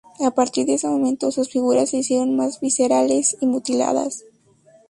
A partir de ese momento, sus figuras se hicieron más viscerales y mutiladas.